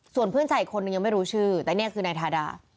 ส่วนเพื่อนสายคนอีกไม่รู้ชื่อแต่นี่คือแล้วไหนทาดา